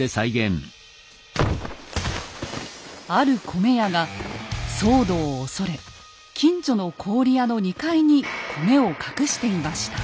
ある米屋が騒動を恐れ近所の氷屋の２階に米を隠していました。